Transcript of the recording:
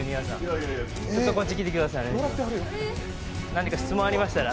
何か質問がありましたら。